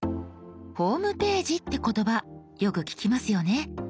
「ホームページ」って言葉よく聞きますよね。